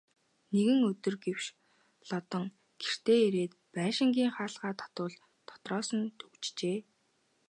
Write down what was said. Нэг өдөр гэвш Лодон гэртээ ирээд байшингийн хаалгаа татвал дотроос түгжжээ.